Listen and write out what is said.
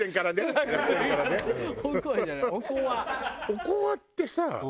おこわってさ